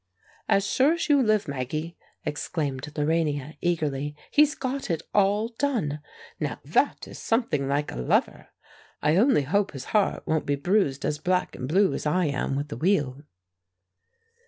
"As sure as you live, Maggie," exclaimed Lorania, eagerly, "he's got it all done! Now that is something like a lover. I only hope his heart won't be bruised as black and blue as I am with the wheel!"